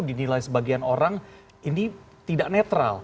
dinilai sebagian orang ini tidak netral